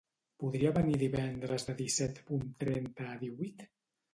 Podria venir divendres de disset punt trenta a divuit?